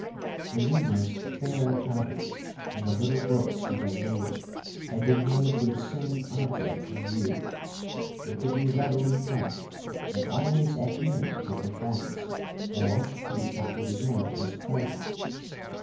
The numerous fair copies in the little books we have named had been made with the same object in view; they could be readily packed, and always at hand for performance, or to be copied again as presents.